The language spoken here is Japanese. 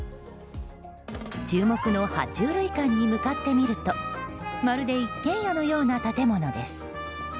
注目の爬虫類館に向かってみるとまるで一軒屋のような建物です。